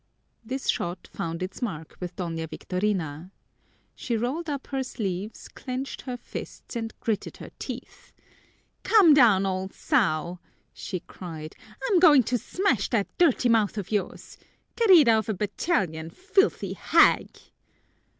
This shot found its mark with Doña Victorina. She rolled up her sleeves, clenched her fists, and gritted her teeth. "Come down, old sow!" she cried. "I'm going to smash that dirty mouth of yours! Querida of a battalion, filthy hag!"